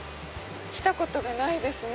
来たことがないですね